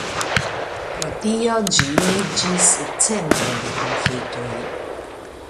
Pro tio ĝi iĝis centro de konfliktoj.